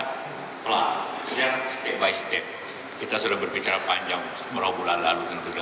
karena itu kalau kita kembalikan ke dalam dunia